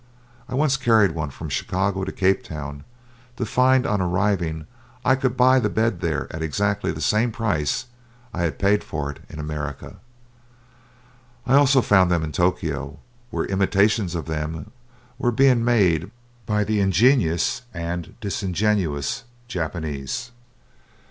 I once carried one from Chicago to Cape Town to find on arriving I could buy the bed there at exactly the same price I had paid for it in America. I also found them in Tokio, where imitations of them were being made by the ingenious and disingenuous Japanese.